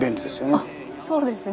あっそうですね。